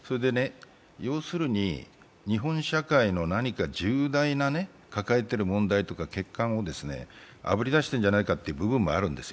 要するに日本社会の何か重大な抱えている問題とか欠陥をあぶり出してるんじゃないかという部分もあるんですよ。